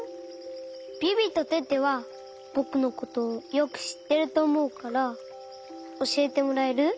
ビビとテテはぼくのことよくしってるとおもうからおしえてもらえる？